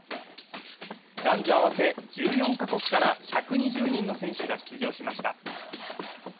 男女合わせ１４か国から１２０人の選手が出場しました。